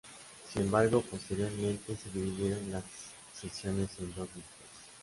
Sin embargo, posteriormente se dividieron las sesiones en dos discos.